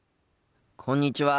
こんにちは。